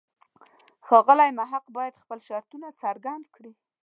ښاغلی محق باید خپل شرطونه څرګند کړي.